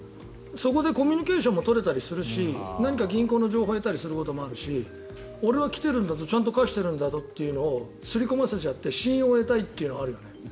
そこでコミュニケーションも取れたりするし銀行の情報も得られたりするし俺は来ているんだぞちゃんと返しているんだぞと刷り込ませちゃって信用を得たいのがあるよね。